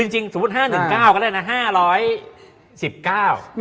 จริงสมมุติ๕๑๙ก็ได้นะ๕๑๙